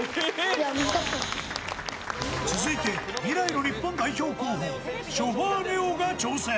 続いて、未来の日本代表候補、ショファーネオが挑戦。